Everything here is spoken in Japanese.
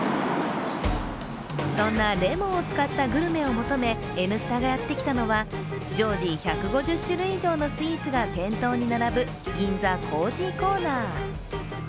そんなレモンを使ったグルメを求め、「Ｎスタ」がやってきたのは常時１５０種類以上のスイーツが店頭に並ぶ銀座コージーコーナー。